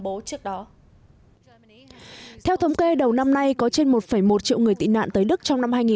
bố trước đó theo thống kê đầu năm nay có trên một một triệu người tị nạn tới đức trong năm hai nghìn một mươi